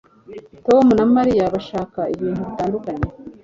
Tom na Mariya bashaka ibintu bitandukanye